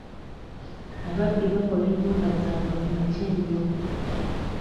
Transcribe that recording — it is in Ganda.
Ababbi bakola ennumba zaabwe kumakya ennyo.